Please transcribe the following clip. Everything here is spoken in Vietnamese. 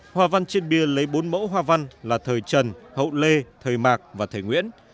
hoa văn trên bia lấy bốn mẫu hoa văn là thời trần hậu lê thời mạc và thầy nguyễn